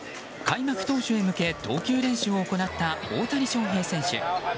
開幕投手へ向け投球練習を行った大谷翔平選手。